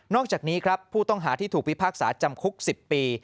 อกจากนี้ครับผู้ต้องหาที่ถูกพิพากษาจำคุก๑๐ปี